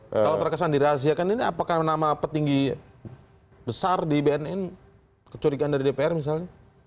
kalau terkesan dirahasiakan ini apakah nama petinggi besar di bnn kecurigaan dari dpr misalnya